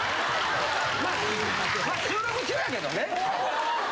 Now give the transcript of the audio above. ま収録中やけどね。